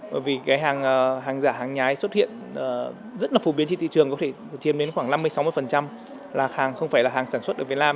bởi vì cái hàng giả hàng nhái xuất hiện rất là phổ biến trên thị trường có thể chiêm đến khoảng năm mươi sáu mươi là hàng không phải là hàng sản xuất ở việt nam